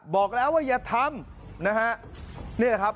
บอกแล้วว่าอย่าทำนะฮะนี่แหละครับ